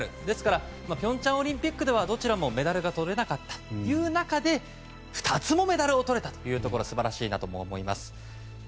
ですから、平昌オリンピックではどちらもメダルがとれなかったという中で２つもメダルをとれたところ素晴らしいなとも思います。